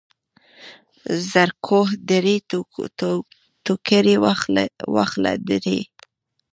زرکوه درې ټوکرۍ واخله درې.